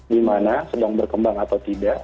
di mana sedang berkembang atau tidak